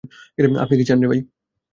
আপনি কি চান?